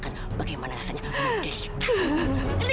kamu lihat menderitaan mama setiap hari